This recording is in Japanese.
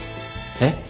えっ？